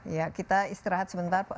ya kita istirahat sebentar